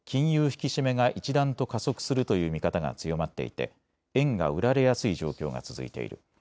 引き締めが一段と加速するという見方が強まっていて円が売られやすい状況が続いている。